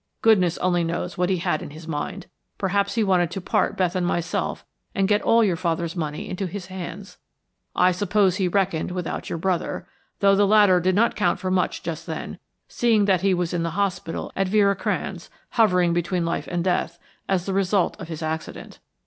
Goodness only knows what he had in his mind; perhaps he wanted to part Beth and myself and get all your father's money into his hands. I suppose he reckoned without your brother, though the latter did not count for much just then, seeing that he was in the hospital at Vera Cranz, hovering between life and death, as the result of his accident.